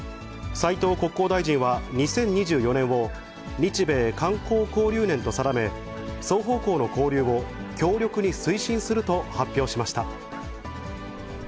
斉藤国交大臣は２０２４年を日米観光交流年と定め、双方向の交流を強力に推進すると発表しました。